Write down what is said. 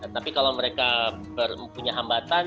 tapi kalau mereka punya hambatan